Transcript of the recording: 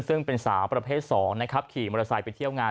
ซึ่งเป็นสาวประเภท๒นะครับขี่มอเตอร์ไซค์ไปเที่ยวงาน